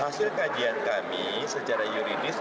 hasil kajian kami secara yuridis